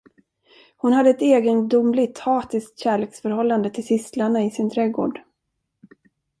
Hon hade ett egendomligt hatiskt kärleksförhållande till tistlarna i sin trädgård.